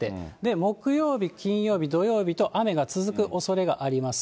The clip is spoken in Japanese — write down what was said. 木曜日、金曜日、土曜日と、雨が続くおそれがあります。